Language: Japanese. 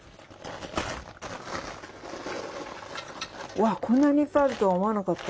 うわっこんなにいっぱいあるとは思わなかった。